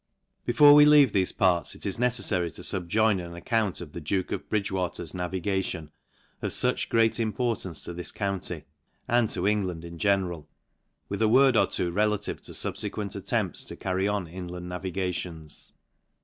Before we leave thefe parts, it is neceffary. to fub join an account of the duke of Bndgewater's naviga tion, of fuch great importance to this county, and to England in general j with a word or two relative to fubfequent attempts to carry on inland naviga tions.